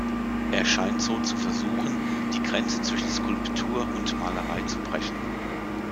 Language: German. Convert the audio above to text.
Er scheint so zu versuchen, die Grenze zwischen Skulptur und Malerei zu brechen.